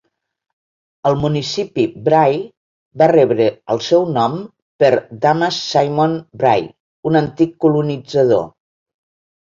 El municipi Bray va rebre el seu nom per Damase Simon Bray, un antic colonitzador.